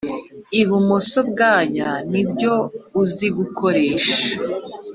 ibumoso bwaya nibyo uzi gukoresha